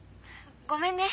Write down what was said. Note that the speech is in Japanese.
ごめんね。